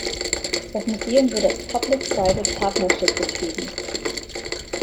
Das Museum wird als Public-Private-Partnership betrieben.